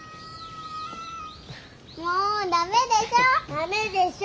もう駄目でしょ？